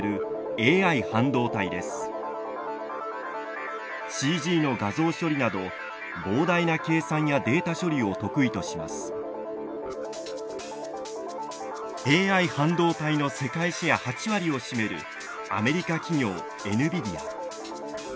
ＡＩ半導体の世界シェア８割を占めるアメリカ企業エヌビディア。